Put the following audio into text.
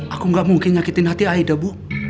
aku gak mungkin nyakitin hati aida bu